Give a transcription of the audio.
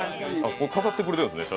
これ飾ってくれてるんですね